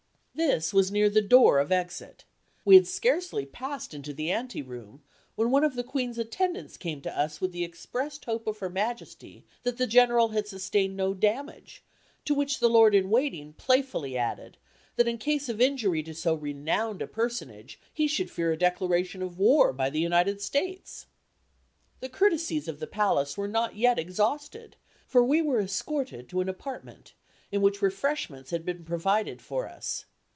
This was near the door of exit. We had scarcely passed into the ante room, when one of the Queen's attendants came to us with the expressed hope of Her Majesty that the General had sustained no damage to which the Lord in Waiting playfully added, that in case of injury to so renowned a personage, he should fear a declaration of war by the United States! The courtesies of the Palace were not yet exhausted, for we were escorted to an apartment in which refreshments had been provided for us.